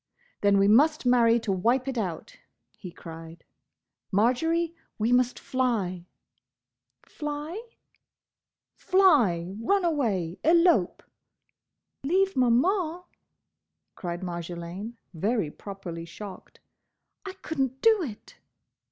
"Then we must marry to wipe it out!" he cried. "Marjory, we must fly!" "Fly—?" "Fly!—run away!—elope!" "Leave Maman—!" cried Marjolaine, very properly shocked. "I could n't do it!"